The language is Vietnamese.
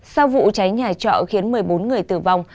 sau vụ cháy nhà trọ khiến một mươi bốn người tử vong